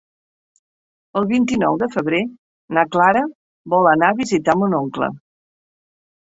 El vint-i-nou de febrer na Clara vol anar a visitar mon oncle.